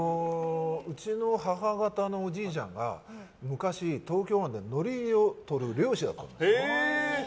うちの母方のおじいちゃんが昔、東京湾でのりをとる漁師だったの。